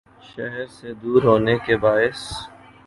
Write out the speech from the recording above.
شہر سے دور ہونے کے باعث